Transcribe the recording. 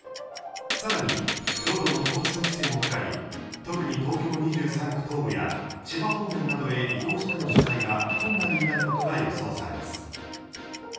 さらに道路の交通規制もかかり特に東京２３区東部や千葉方面などへ移動しての取材が困難になることが予想されます。